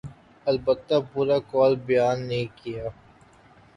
البتہ پورا قول بیان نہیں کیا۔